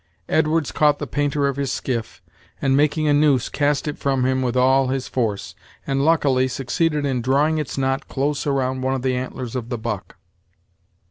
Edwards caught the painter of his skiff, and, making a noose, cast it from him with all his force, and luckily succeeded in drawing its knot close around one of the antlers of the buck.